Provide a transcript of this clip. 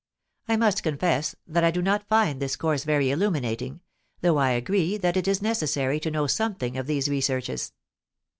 I must confess that I do not find this course very illuminating, though I agree that it is necessary to know something of these researches.